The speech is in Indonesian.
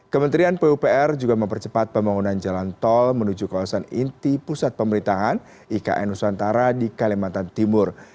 kementerian pupr juga mempercepat pembangunan jalan tol menuju kawasan inti pusat pemerintahan ikn nusantara di kalimantan timur